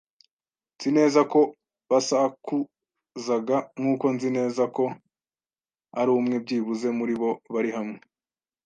nzi neza ko basakuzaga - nkuko nzi neza ko ari umwe, byibuze, muri bo bari hamwe